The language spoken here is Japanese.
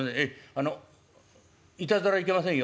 あのいたずらはいけませんよ。